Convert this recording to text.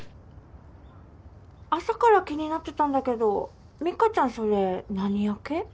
朝から気になってたんだけど美香ちゃんそれ何焼け？